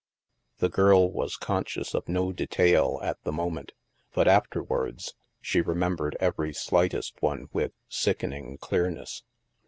The girl was conscious of no detail at the mo ment, but afterwards she remembered every slight est one with sickening clearness.